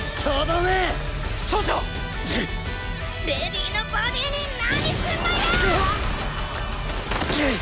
レディーのボディーに何すんのよ！